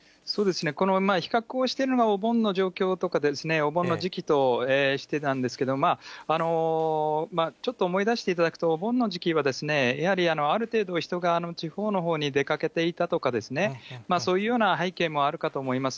比較しているのがお盆の状況とか、お盆の時期としてたんですけど、ちょっと思い出していただくと、お盆の時期は、やはりある程度、人が地方のほうに出かけていたとか、そういうような背景もあるかと思います。